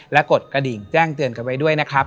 และกดกระดิ่งแจ้งเตือนกันไว้ด้วยนะครับ